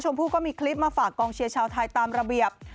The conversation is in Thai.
ผู้ก็มีคลิปมาฝากกองเชียร์ชาวไทยตามระเบียบ